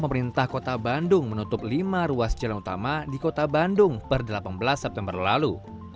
pemerintah kota bandung menutup lima ruas jalan utama di kota bandung per delapan belas september lalu